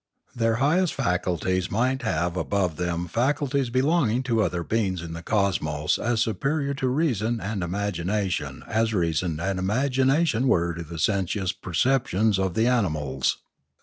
Their highest faculties might have above them faculties belonging to other beings in the cosmos as superior to reason and imagination as reason and imagination were to the sensuous perceptions of the animals.